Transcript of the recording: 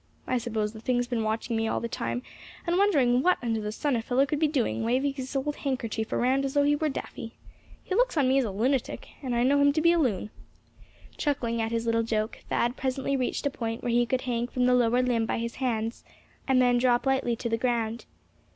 "I suppose the thing's been watching me all the time, and wondering what under the sun a fellow could be doing, waving his old handkerchief around as though he were daffy. He looks on me as a lunatic, and I know him to be a loon." Chuckling at his little joke, Thad presently reached a point where he could hang from the lower limb by his hands, and then drop lightly to the ground.